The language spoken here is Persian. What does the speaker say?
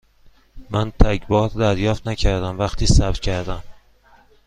من تگ بار دریافت نکردم وقتی ثبت کردم.